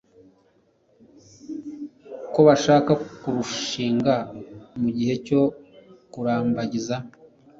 kw'abashaka kurushiga' mu gihe cyo 'kurambagiza